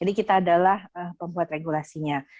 jadi kita adalah pembuat regulasinya